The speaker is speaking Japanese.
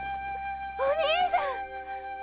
お兄さん！